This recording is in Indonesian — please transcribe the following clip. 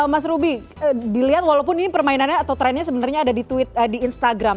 mas ruby dilihat walaupun ini permainannya atau trennya sebenarnya ada di instagram